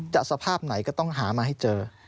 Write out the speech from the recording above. สภาพไหนก็ต้องหามาให้เจอ